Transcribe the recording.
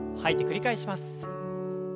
繰り返します。